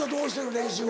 練習は。